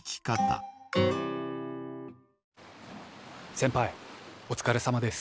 先ぱいおつかれさまです。